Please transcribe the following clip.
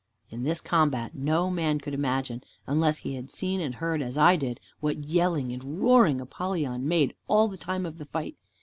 In this combat no man could imagine, unless he had seen and heard as I did, what yelling and roaring Apollyon made all the time of the fight.